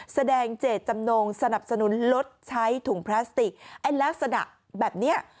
แสดงเจตจำนงสนับสนุนลดใช้ถุงพลาสติกไอ้ลักษณะแบบเนี้ย